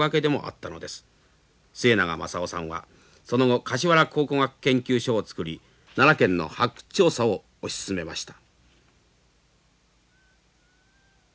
末永雅雄さんはその後橿原考古学研究所を作り奈良県の発掘調査を推し進めました。